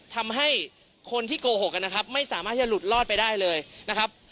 ทำให้คนที่โกหกนะครับไม่สามารถที่จะหลุดรอดไปได้เลยนะครับ